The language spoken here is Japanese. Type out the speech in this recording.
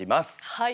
はい。